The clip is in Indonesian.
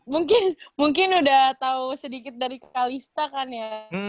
mungkin mungkin udah tahu sedikit dari kalista kan ya